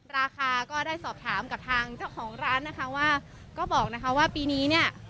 ราคาก็ได้สอบถามกับทางเจ้าของร้านนะคะว่าก็บอกนะคะว่าปีนี้เนี่ย